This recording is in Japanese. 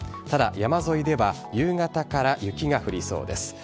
ただ山沿いでは夕方から雪が降りそうです。